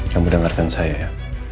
kamu dengarkan saya ya